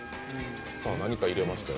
さあ、何か入れましたよ。